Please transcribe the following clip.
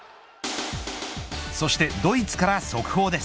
そしてドイツから速報です。